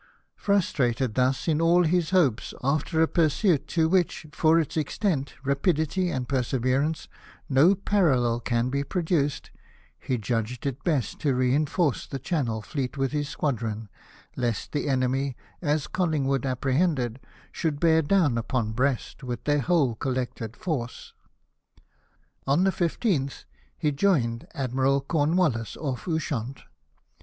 Frustrated thus in all his hopes, after a pursuit to 294 LIFE OF NELSON. whicli, for its extent, rapidity, and perseverance, no parallel can be produced, he judged it best to re inforce the Channel fleet with his squadron, lest the enemy, as Collingwood apprehended, should bear down upon Brest with their whole collected force. On the 15th he joined Admiral Cornwallis off Ushant.